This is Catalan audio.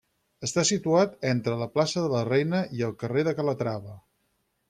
Està situat entre la plaça de la Reina i el carrer de Calatrava.